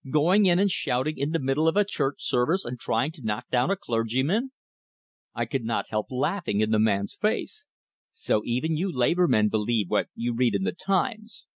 "Going in and shouting in the middle of a church service, and trying to knock down a clergyman!" I could not help laughing in the man's face. "So even you labor men believe what you read in the 'Times'!